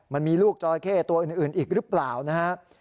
มันมีลูกจอราเข้ตัวอื่นอีกหรือเปล่านะครับ